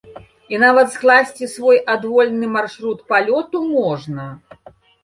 І нават скласці свой адвольны маршрут палёту можна.